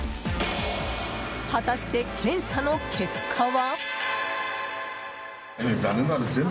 果たして、検査の結果は？